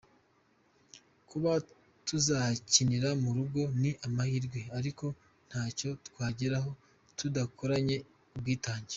Kuba tuzakinira mu rugo ni amahirwe ariko ntacyo twageraho tudakoranye ubwitange.